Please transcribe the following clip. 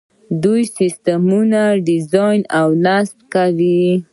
دوی سیسټمونه ډیزاین او نصب کوي.